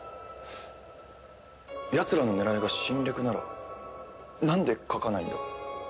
やつらの狙いが侵略ならなんで書かないんだ？